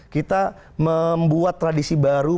kita membuat tradisi baru